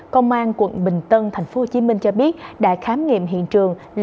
công an quận bình tân thành phố hồ chí minh cho biết đã khám nghiệm hiện trường